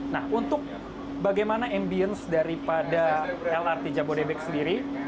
nah untuk bagaimana ambience daripada lrt jabodebek sendiri